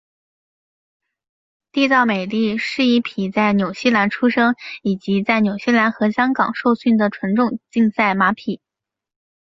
缔造美丽是一匹在纽西兰出生以及在纽西兰和香港受训的纯种竞赛马匹。